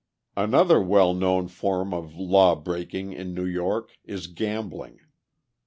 Another well known form of law breaking in New York is gambling.